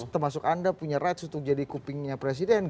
termasuk anda punya rights untuk jadi kupingnya presiden